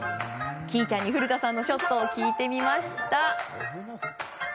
稀唯ちゃんに古田さんのショットを聞いてみました。